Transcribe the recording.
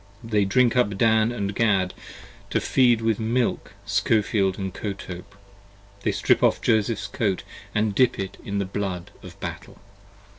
They drink up Dan & Gad, to feed with milk Skofeld & Kotope: They strip off Joseph's Coat & dip it in the blood of battle.